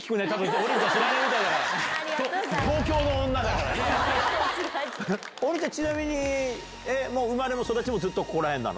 王林ちゃん、ちなみに、もう生まれも育ちもずっとここら辺なの？